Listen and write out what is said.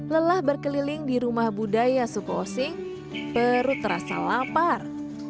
lelah berkeliling di rumah budaya suku osing perut terasa lapar